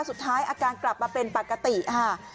สุดท้ายอาการกลับมาเป็นปกติค่ะ